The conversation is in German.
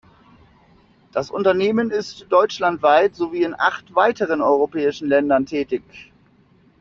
Das Unternehmen ist deutschlandweit sowie in acht weiteren europäischen Ländern tätig.